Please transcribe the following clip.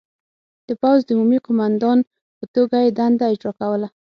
د پوځ د عمومي قوماندان په توګه یې دنده اجرا کوله.